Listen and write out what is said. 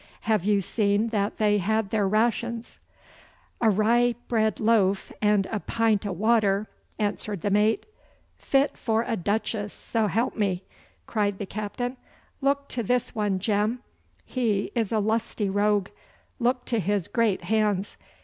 'Have you seen that they had their rations?' 'A rye bread loaf and a pint o' water,' answered the mate. 'Fit for a duchess, s'help me!' cried the captain. 'Look to this one, Jem. He is a lusty rogue. Look to his great hands.